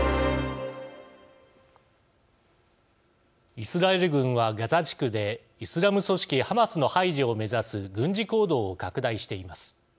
イスラエル軍はガザ地区でイスラム組織ハマスの排除を目指す軍事行動を拡大しています。